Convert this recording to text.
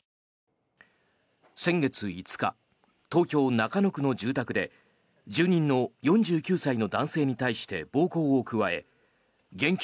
先月５日東京・中野区の住宅で住人の４９歳の男性に対して暴行を加え現金